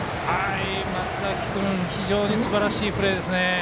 松崎君、非常にすばらしいプレーです。